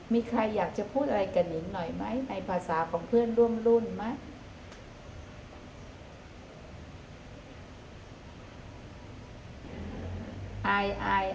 มีใครอยากจะพูดอะไรกับนิงหน่อยไหมในภาษาของเพื่อนร่วมรุ่นไหม